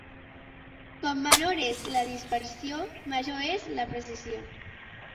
Com menor és la dispersió major és la precisió.